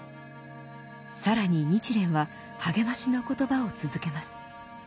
更に日蓮は励ましの言葉を続けます。